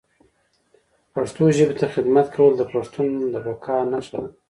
پښتو ژبي ته خدمت کول د پښتون بقا نښه ده